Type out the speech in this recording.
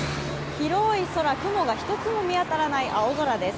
広い空、雲が一つも見当たらない青空です。